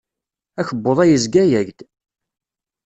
Akebbuḍ-a yezga-ak-d.